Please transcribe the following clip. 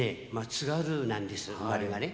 津軽なんです生まれがね。